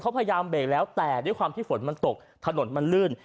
เขาพยายามเบรกแล้วแต่ด้วยความที่ฝนมันตกถนนมันลื่น